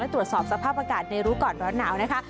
ตรวจสอบสภาพอากาศในรู้ก่อนร้อนหนาวนะคะ